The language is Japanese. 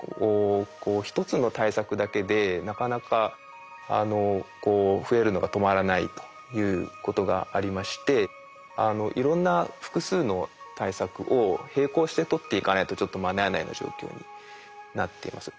１つの対策だけでなかなか増えるのが止まらないということがありましていろんな複数の対策を並行して取っていかないとちょっと間に合わないような状況になっています。